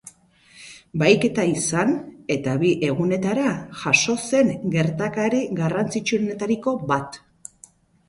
Bahiketa izan eta bi egunetara jazo zen gertakari garrantzitsuenetako bat.